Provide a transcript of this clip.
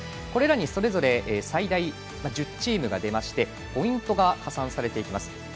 これらにそれぞれ最大１０チームが出ましてポイントが加算されていきます。